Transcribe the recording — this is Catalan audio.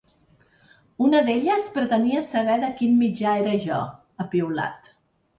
Una d’elles pretenia saber de quin mitjà era jo, ha piulat.